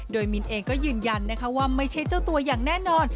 โดยมินเองก็ยืนยันนะคะว่าไม่ใช่เจ้าตัวอย่างแน่นอน